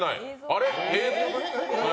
あれ？